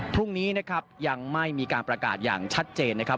พรุ่งนี้นะครับยังไม่มีการประกาศอย่างชัดเจนนะครับ